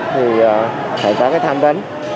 thì phải có cái tham vấn